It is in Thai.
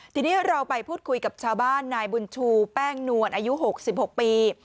ทีนี้เราไปพูดคุยกับชาวบ้านนายบุญชูแป้งนวลอายุ๖๖ปี